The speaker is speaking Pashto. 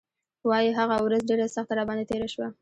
وايي هغه ورځ ډېره سخته راباندې تېره شوه.